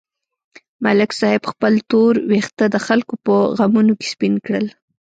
ملک صاحب خپل تور وېښته د خلکو په غمونو کې سپین کړل.